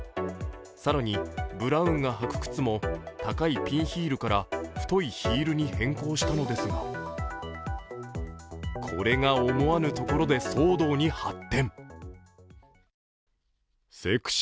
グリーンの履く靴が膝丈のブーツからスニーカーに、更に、ブラウンが履く靴も高いピンヒールから太いヒールに変更したのですが、これが、思わぬところで騒動に発展。